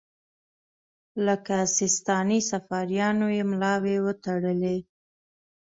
لکه سیستاني صفاریانو یې ملاوې وتړلې.